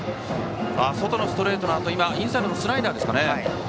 外のストレートのあとはインサイドのスライダーか。